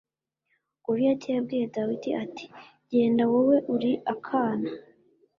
Goliyati yabwiye Dawidi ati genda wowe uri akana